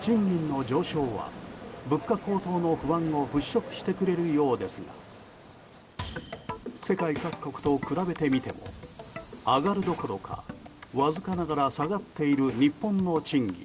賃金の上昇は物価高騰の不安を払拭してくれるようですが世界各国と比べてみても上がるどころかわずかながら下がっている日本の賃金。